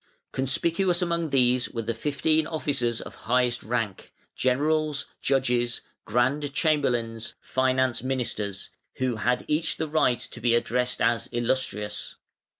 Conspicuous among these were the fifteen officers of highest rank, Generals, Judges, Grand Chamberlains, Finance Ministers, who had each the right to be addressed as "Illustrious".